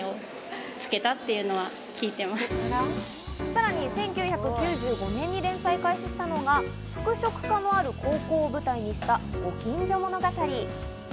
さらに１９９５年に連載を開始したのが服飾科のある高校を舞台にした『ご近所物語』。